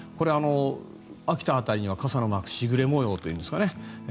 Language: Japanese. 秋田辺りには傘のマーク時雨模様といいますかね。